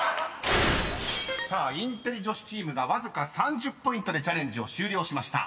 ［さあインテリ女子チームがわずか３０ポイントでチャレンジを終了しました］